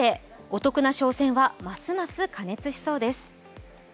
お得な商戦はますます過熱しそうです。